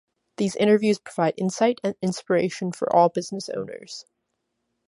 These interviews provide insight and inspiration for all business owners.